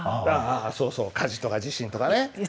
そうそう火事とか地震とかね。